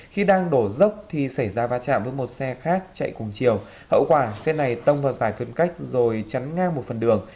khi đang đổ dốc thì xảy ra va chạm với một xe khác chạy cùng chiều hậu quả xe này tông vào giải phân cách rồi chắn ngang một phần đường